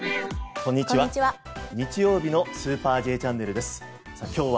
こんにちは。